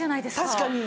確かに。